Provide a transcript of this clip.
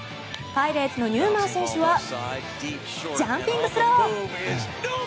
パイレーツのニューマン選手はジャンピングスロー。